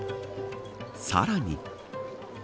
さらに。